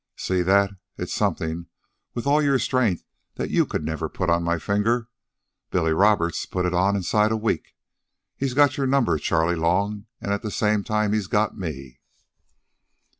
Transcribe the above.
"See that? It's something, with all your strength, that you could never put on my finger. Billy Roberts put it on inside a week. He got your number, Charley Long, and at the same time he got me."